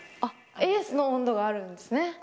あっエースの温度があるんですね。